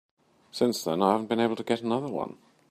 Since then I haven't been able to get another one.